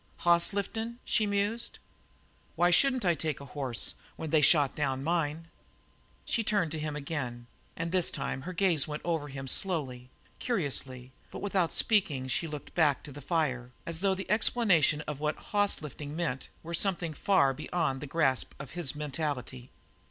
"Hoss lifting," she mused. "Why shouldn't I take a horse when they had shot down mine?" She turned to him again, and this time her gaze went over him slowly, curiously, but without speaking she looked back to the fire, as though explanation of what "hoss lifting" meant were something far beyond the grasp of his mentality.